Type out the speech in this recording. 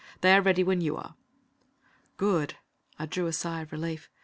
They are ready when you are." "Good!" I drew a sigh of relief.